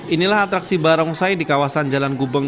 inilah atraksi barongsai di kawasan jalan gubeng